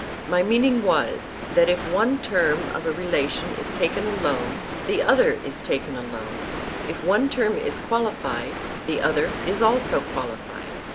My meaning was, that if one term of a relation is taken alone, the other is taken alone; if one term is qualified, the other is also qualified.